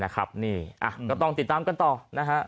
ก็ต้องติดตามกันต่อนะฮะ